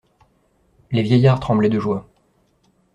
Les vieillards tremblaient de joie.